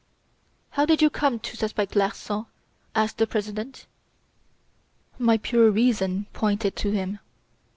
"How did you come to suspect Larsan?" asked the President. "My pure reason pointed to him.